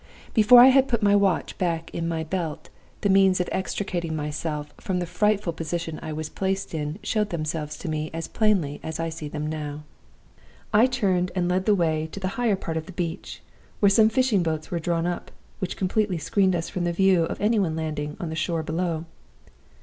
"Before I had put my watch back in my belt, the means of extricating myself from the frightful position I was placed in showed themselves to me as plainly as I see them now. "I turned and led the way to the higher part of the beach, where some fishing boats were drawn up which completely screened us from the view of any one landing on the shore below.